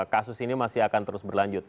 kasus ini masih akan terus berlanjut